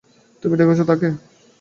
তুমি দেখেছো তাকে?